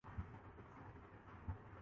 حقیقی تبدیلی کی طرف مملکت گامزن ہو